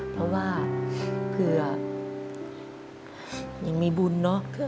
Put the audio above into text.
เพราะว่าเผื่อยังมีบุญเนอะ